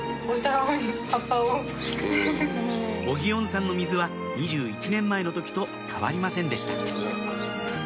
お祇園さんの水は２１年前の時と変わりませんでした